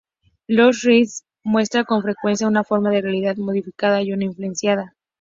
Los reality shows muestran con frecuencia una forma de realidad modificada y muy influenciada.